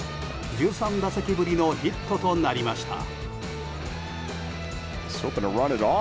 １３打席ぶりのヒットとなりました。